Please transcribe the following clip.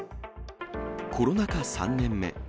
コロナ禍３年目。